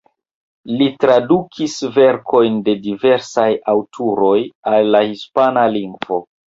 Li tradukis verkojn de diversaj aŭtoroj al la hispana lingvo.